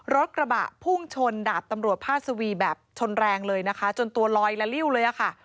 รถกระบะพุ่งชนดาบตำรวจพาสวีแบบชนแรงเลยนะคะจนตัวลอยละลิ้วเลยอะค่ะ